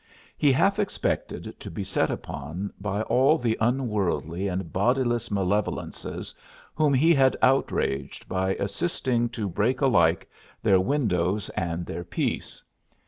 He half expected to be set upon by all the unworldly and bodiless malevolences whom he had outraged by assisting to break alike their windows and their peace.